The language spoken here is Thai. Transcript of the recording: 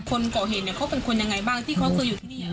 คนก่อเหตุเนี่ยเขาเป็นคนยังไงบ้างที่เขาเคยอยู่ที่นี่